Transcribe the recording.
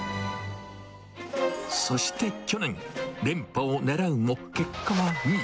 そして去年、連覇を狙うも、結果は２位。